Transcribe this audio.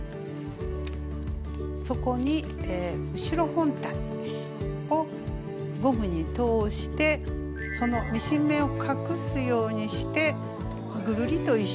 そこに後ろ本体をゴムに通してそのミシン目を隠すようにしてぐるりと１周まつります。